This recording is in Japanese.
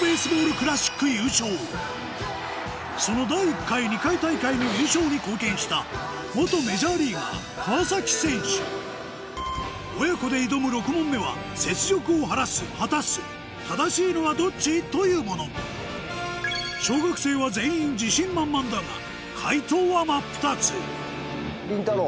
沸いたその第１回・２回大会の優勝に貢献した親子で挑む６問目は「雪辱を晴らす」「果たす」正しいのはどっち？というもの小学生は全員自信満々だが解答は真っ二つりんたろう。